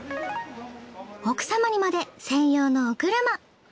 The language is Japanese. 奥様にまで専用のお車。